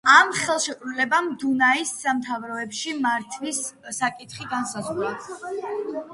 ამ ხელშეკრულებამ დუნაის სამთავროებში მართვის საკითხი განსაზღვრა.